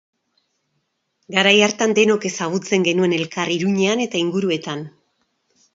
Garai hartan denok ezagutzen genuen elkar Iruñean eta inguruetan.